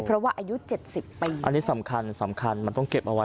เพราะว่าอายุ๗๐ปีอันนี้สำคัญสำคัญมันต้องเก็บเอาไว้